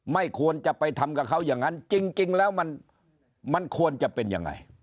ไม่ควรจะไปทำกับเขาอย่างนั้นจริงแล้วมันควรจะเป็นยังไง